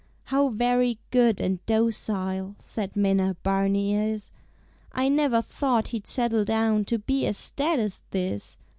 "How very good and docile," Said Minna, "Barney is! I never thought he'd settle down, To be as staid as this!"